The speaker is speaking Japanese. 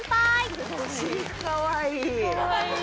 かわいい。